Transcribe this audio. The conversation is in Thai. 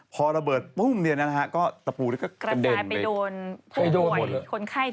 พอระเบิดปุ้มเนี่ยนะฮะก็ตะปูก็กระจายไปโดนผ่วยคนไข้ที่อยู่ตรงนั้น